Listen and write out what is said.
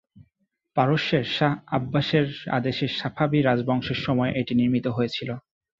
পারস্যের শাহ আব্বাসের আদেশে সাফাভি রাজবংশের সময়ে এটি নির্মিত হয়েছিল।